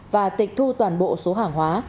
và tịch thu toàn bộ số hàng hóa